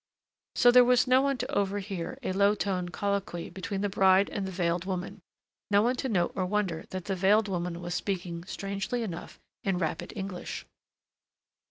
So there was no one to overhear a low toned colloquy between the bride and the veiled woman, no one to note or wonder that the veiled woman was speaking, strangely enough, in rapid English.